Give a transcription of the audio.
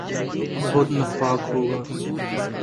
بہت نفاق ہو گا۔